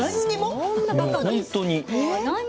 本当に。